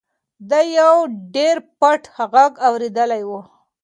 ده یو ډېر پټ غږ اورېدلی و.